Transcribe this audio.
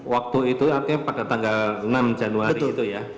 waktu itu artinya pada tanggal enam januari itu ya